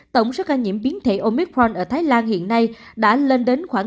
tổng số ca nhiễm biến thể omitron ở thái lan hiện nay đã lên đến khoảng